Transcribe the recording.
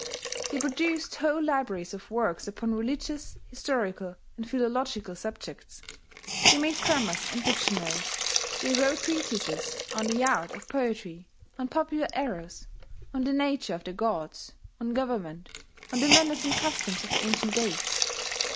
They produced whole libraries of works upon religious, historical, and philological subjects; they made grammars and dictionaries; they wrote treatises on the art of poetry, on popular errors, on the nature of the gods, on government, on the manners and customs of ancient days....